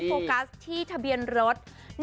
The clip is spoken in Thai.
โฟกัสที่ทะเบียนรถ๑๙๕๙๗